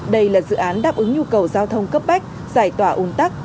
đây là dự án đáp ứng nhu cầu giao thông cấp bách giải tỏa ung tắc